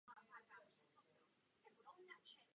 Potřebujeme větší koordinaci a širší účinky.